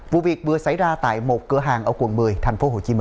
vụ việc vừa xảy ra tại một cửa hàng ở quận một mươi tp hcm